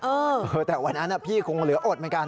เออแต่วันนั้นพี่คงเหลืออดเหมือนกัน